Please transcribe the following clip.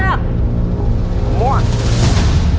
ลุงไม่อ้ายเลือกตัวเลือกที่